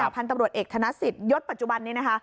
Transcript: พันธุ์ตำรวจเอกทนะสิทธิ์ยศปัจจุบันนี้